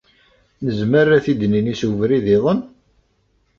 Nezmer ad t-id-nini s ubrid-iḍen?